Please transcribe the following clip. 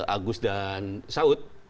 agus dan saud